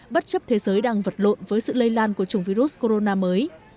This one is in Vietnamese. bất chấp thế giới đang vật lộn với sự lây lan của chủng virus corona mới